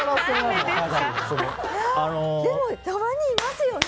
でもたまにいますよね。